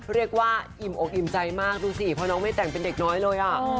เรียกว่าอิ่มอกอิ่มใจมากดูสิเพราะน้องไม่แต่งเป็นเด็กน้อยเลยอ่ะ